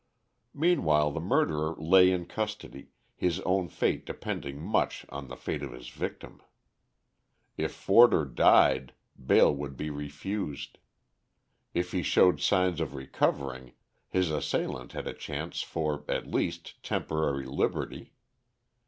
Meanwhile the murderer lay in custody, his own fate depending much on the fate of his victim. If Forder died, bail would be refused; if he showed signs of recovering, his assailant had a chance for, at least, temporary liberty.